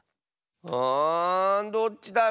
あどっちだろ？